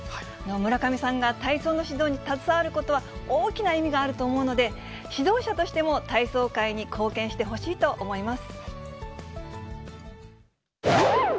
村上さんが体操の指導に携わることは大きな意味があると思うので、指導者としても体操界に貢献してほしいと思います。